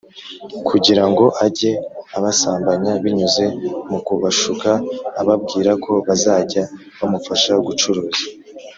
kugira ngo ajye abasambanya binyuze mu kubashuka ababwira ko bazajya bamufasha gucuruza